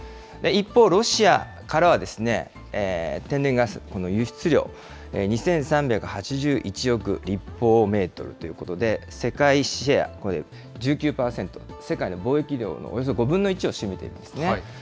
一方、ロシアからは天然ガス、この輸出量、２３８１億立方メートルということで、世界シェア、これ１９％、世界の貿易量のおよそ５分の１を占めているんですね。